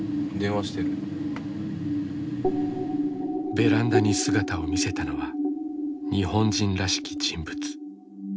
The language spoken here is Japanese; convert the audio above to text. ベランダに姿を見せたのは日本人らしき人物。